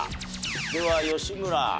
では吉村。